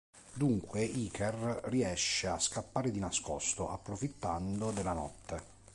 Dunque, Iker riesce a scappare di nascosto, approfittando della notte.